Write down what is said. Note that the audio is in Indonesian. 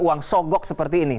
uang sogok seperti ini